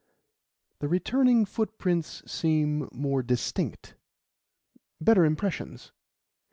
"The returning footprints seem more distinct better impressions."